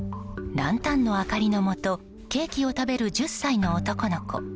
ランタンの明かりのもとケーキを食べる１０歳の男の子。